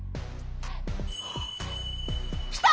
きた！